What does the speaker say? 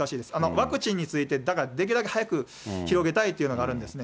ワクチンについて、だからできるだけ早く広げたいというのがあるんですね。